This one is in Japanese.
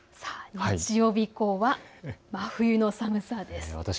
日曜日以降は真冬の寒さです。